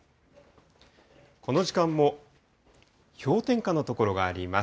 この時間も氷点下の所があります。